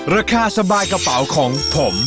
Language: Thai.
ราคาสบายกระเป๋าของผม